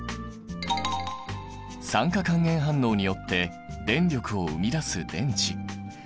酸化還元反応によって電力を生み出す電池。